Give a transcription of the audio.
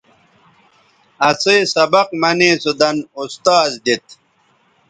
اسئ سبق منے سو دَن اُستاذ دیت